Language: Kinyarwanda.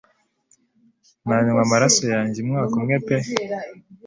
Nanywa amaraso yanjye umwaka umwe pe